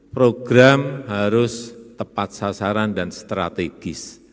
program harus tepat sasaran dan strategis